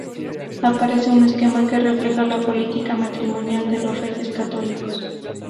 Aparece un esquema que refleja la política matrimonial de los Reyes Católicos.